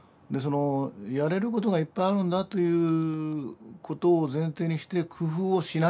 やれることがいっぱいあるんだということを前提にして工夫をしない。